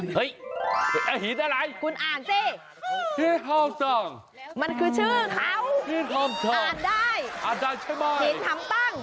เฮ้ยหินอะไรคุณอ่านสิมันคือชื่อเขาอ่านได้หินท้ำตั้ง